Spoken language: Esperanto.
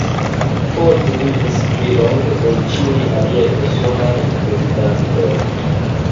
Ford vivis pli longe ol ĉiuj aliaj usonaj prezidantoj.